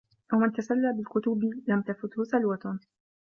وَمَنْ تَسَلَّى بِالْكُتُبِ لَمْ تَفُتْهُ سَلْوَةٌ